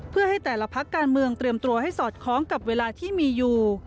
เพื่อให้แต่ละพักการเมืองเตรียมตัวให้สอดคล้องกับเวลาที่มีอยู่